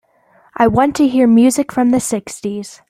I want to hear music from the sixties.